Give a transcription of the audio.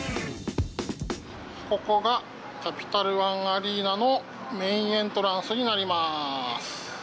ここがキャピタルワン・アリーナのメインエントランスになります。